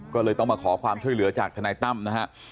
ก็เลยต้องมาขอความช่วยเหลือจากทนายตั้มนะฮะ